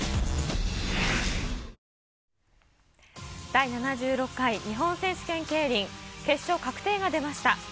第７６回日本選手権競輪、決勝確定が出ました。